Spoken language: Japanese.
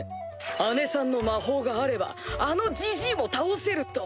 姉さんの魔法があればあのジジイも倒せると。